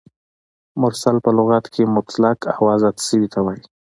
مرسل په لغت کښي مطلق او آزاد سوي ته وايي.